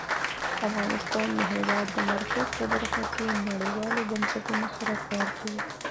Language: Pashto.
افغانستان د د هېواد مرکز په برخه کې نړیوالو بنسټونو سره کار کوي.